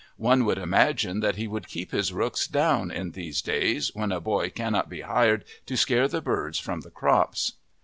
One would imagine that he would keep his rooks down in these days when a boy cannot be hired to scare the birds from the crops.